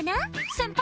先輩